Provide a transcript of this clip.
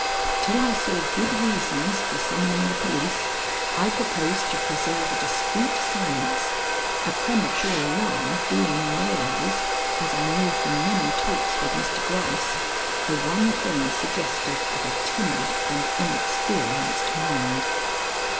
Till I saw good reasons for summoning the police, I proposed to preserve a discreet silence, a premature alarm being in their eyes, as I knew from many talks with Mr. Gryce, the one thing suggestive of a timid and inexperienced mind.